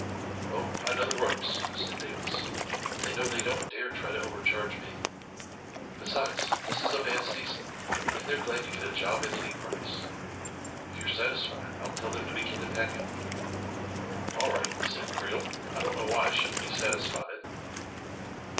44 Oh, I know the ropes," said Davis. <4 They know they don't dare try to overcharge me. Be sides, this is a bad season, and they're glad to get a job at any price. If you're satisfied, I'll tell them to begin to pack up." 44 All right," said Creel; 4< I don't know why I shouldn't be satisfied."